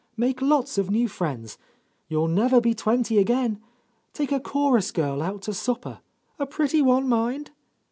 Make lots of new friends. You'll never be twenty again. Take a chorus girl out to supper — a pretty one, mind!